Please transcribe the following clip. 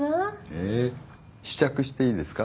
へえ試着していいですか？